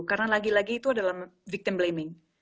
karena lagi lagi itu adalah victim blaming